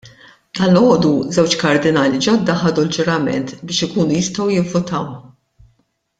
Dalgħodu żewġ Kardinali ġodda ħadu l-ġurament biex ikunu jistgħu jivvotaw.